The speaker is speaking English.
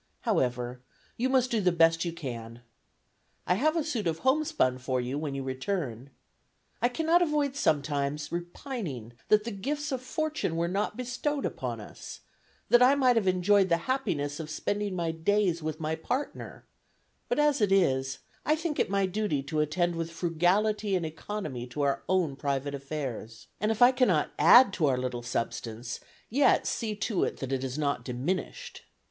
However, you must do the best you can. I have a suit of homespun for you whenever you return. I cannot avoid sometimes repining that the gifts of fortune were not bestowed upon us, that I might have enjoyed the happiness of spending my days with my partner, but as it is, I think it my duty to attend with frugality and economy to our own private affairs; and if I cannot add to our little substance, yet see to it that it is not diminished.